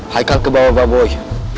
haikal kebawa boy